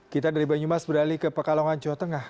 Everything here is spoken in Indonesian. kita dari banyumas beralih ke pekalongan jawa tengah